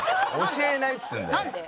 教えないっつってんだよ。